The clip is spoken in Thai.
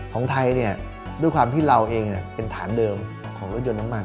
ของไทยด้วยความที่เราเองเป็นฐานเดิมของรถยนต์น้ำมัน